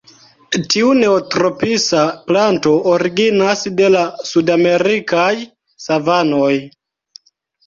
Tiu neotropisa planto originas de la sudamerikaj savanoj.